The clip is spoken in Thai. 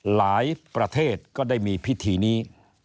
หลายประเทศก็ได้มีพิธีนี้